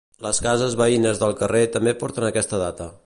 Les cases veïnes del carrer també porten aquesta data.